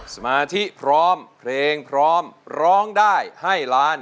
สมาธิพร้อมเพลงพร้อมร้องได้ให้ล้าน